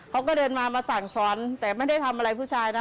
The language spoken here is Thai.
เขาก็เดินมามาสั่งสอนแต่ไม่ได้ทำอะไรผู้ชายนะ